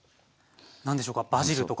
何でしょうかバジルとか。